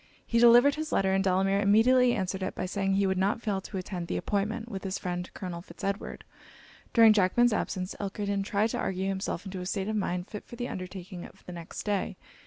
He delivered his letter, and Delamere immediately answered it by saying he would not fail to attend the appointment, with his friend Colonel Fitz Edward. During Jackman's absence, Elkerton tried to argue himself into a state of mind fit for the undertaking of the next day.